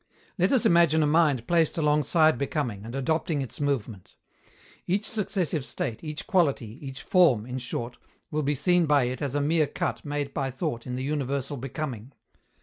Let us imagine a mind placed alongside becoming, and adopting its movement. Each successive state, each quality, each form, in short, will be seen by it as a mere cut made by thought in the universal becoming.